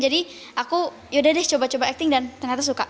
jadi aku yaudah deh coba coba acting dan ternyata suka